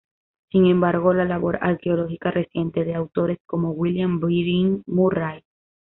Sin embargo la labor arqueológica reciente de autores como William Breen Murray.